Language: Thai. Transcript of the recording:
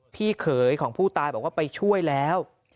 พี่เขยของผู้ตายบอกว่าไปช่วยแล้ว